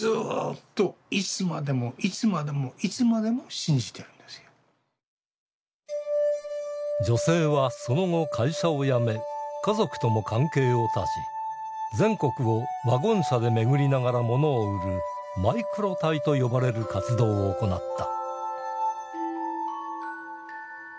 自律的に選んだ女性はその後会社を辞め家族とも関係を断ち全国をワゴン車で巡りながら物を売る「マイクロ隊」と呼ばれる活動を行った。